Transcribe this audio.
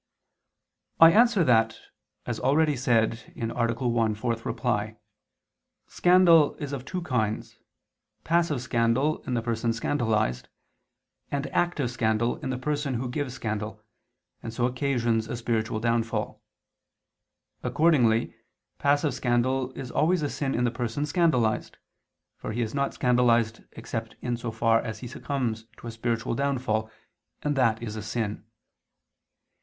I answer that, As already said (A. 1, ad 4), scandal is of two kinds, passive scandal in the person scandalized, and active scandal in the person who gives scandal, and so occasions a spiritual downfall. Accordingly passive scandal is always a sin in the person scandalized; for he is not scandalized except in so far as he succumbs to a spiritual downfall, and that is a sin.